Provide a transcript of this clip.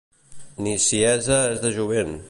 Niciesa és de jovent.